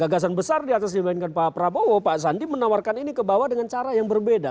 gagasan besar di atas dibandingkan pak prabowo pak sandi menawarkan ini ke bawah dengan cara yang berbeda